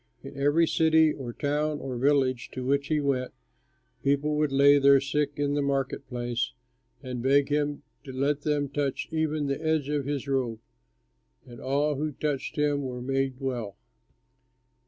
In every city or town or village to which he went people would lay their sick in the market place and beg him to let them touch even the edge of his robe. And all who touched him were made well.